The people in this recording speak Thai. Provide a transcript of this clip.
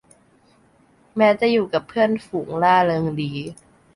แม้จะอยู่กับเพื่อนฝูงร่าเริงดี